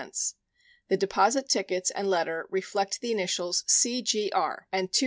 The deposit tickets and letter reflect the initials "CGR" and $210.